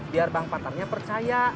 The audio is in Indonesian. biar bang patarnya percaya